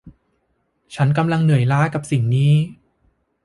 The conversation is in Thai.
ฉันกำลังเหนื่อยล้ากับสิ่งนี้